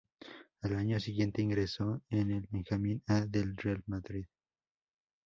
Al año siguiente ingresó en el Benjamín A del Real Madrid.